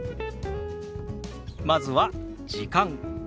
まずは「時間」。